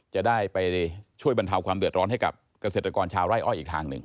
จะได้ไปช่วยบรรเทาความเดือดร้อนให้กับเกษตรกรชาวไร่อ้อยอีกทางหนึ่ง